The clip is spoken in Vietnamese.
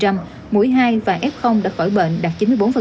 mũi hai và f đã khỏi bệnh đạt chín mươi bốn